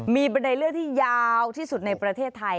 มีบันไดเลื่อนที่ยาวที่สุดในประเทศไทย